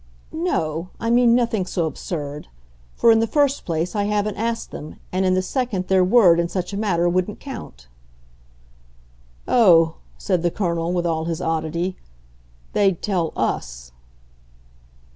"No I mean nothing so absurd. For in the first place I haven't asked them, and in the second their word in such a matter wouldn't count." "Oh," said the Colonel with all his oddity, "they'd tell US."